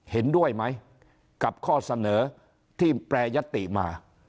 เห็นด้วยไหมกับข้อเสนอที่แปรยติมา